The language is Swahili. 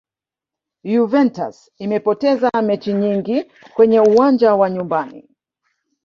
juventus imepoteza mechi nyingi kwenye uwanja wa nyumbani